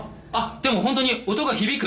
でもほんとに音が響く。